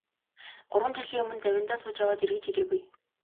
Гурван жилийн өмнө завиндаа сууж яваад эргэж ирээгүй.